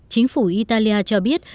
chính phủ italia cho biết